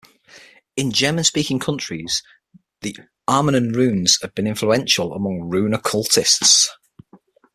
In German-speaking countries, the Armanen Runes have been influential among rune-occultists.